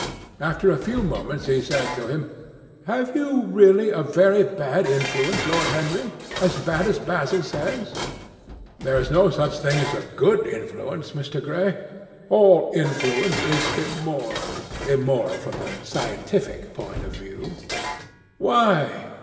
After a few moments he said to him, "Have you really a very bad influence, Lord Henry? As bad as Basil says?" "There is no such thing as a good influence, Mr. Gray. All influence is immoral—immoral from the scientific point of view." "Why?"